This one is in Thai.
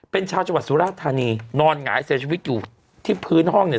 เป็นชาวจังหวัดสุราธานีนอนหงายเสียชีวิตอยู่ที่พื้นห้องเนี่ย